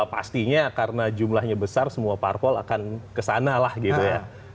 pastinya karena jumlahnya besar semua parpol akan kesana lah gitu ya